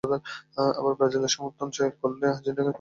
আবার ব্রাজিলকে সমর্থন করলেই যেন আর্জেন্টিনাকে পচাতে হবে।